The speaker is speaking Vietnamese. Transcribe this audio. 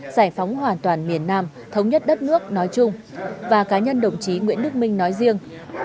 giải phóng hoàn toàn miền nam thống nhất đất nước nói chung và cá nhân đồng chí nguyễn đức minh nói riêng